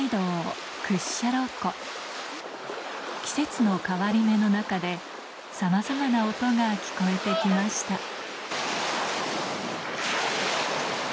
季節の変わり目の中でさまざまな音が聞こえて来ました